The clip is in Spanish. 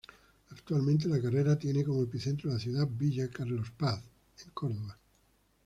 Actualmente la carrera tiene como epicentro la ciudad Villa Carlos Paz, en Córdoba.